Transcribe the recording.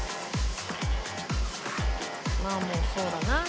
まあもうそうだな。